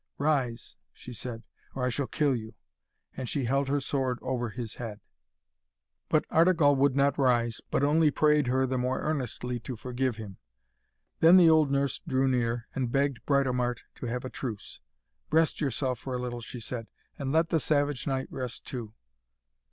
'Rise!' she said, 'or I shall kill you!' and she held her sword over his head. But Artegall would not rise, but only prayed her the more earnestly to forgive him. Then the old nurse drew near and begged Britomart to have a truce. 'Rest yourself for a little,' she said, 'and let the Savage Knight rest too.'